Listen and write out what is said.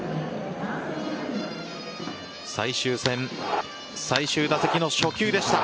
最終戦、最終打席の初球でした。